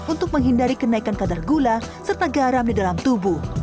untuk menghindari kenaikan kadar gula serta garam di dalam tubuh